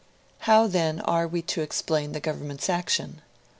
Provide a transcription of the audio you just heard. How, then, are we to explain the Government's action?